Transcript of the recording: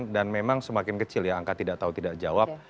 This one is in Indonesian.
dan memang semakin kecil ya angka tidak tahu tidak jawab